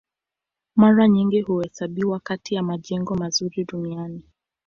Mara nyingi huhesabiwa kati ya majengo mazuri duniani.